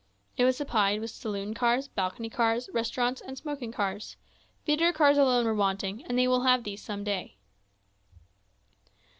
It was supplied with saloon cars, balcony cars, restaurants, and smoking cars; theatre cars alone were wanting, and they will have these some day.